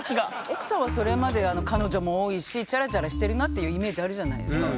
奥さんはそれまで彼女も多いしチャラチャラしてるなっていうイメージあるじゃないですか。